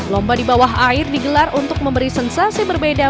lomba di bawah air digelar untuk memberi sensasi berbeda